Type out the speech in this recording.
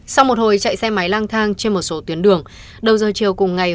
sau một hồi chạy xe máy lang thang trên một số tuyến đường đầu giờ chiều cùng ngày